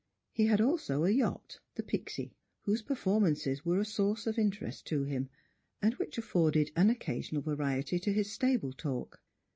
He had also a yacht, the Pixy, whose performances were a source of interest to him, and whicli afforded an occasional variety to his stable talk.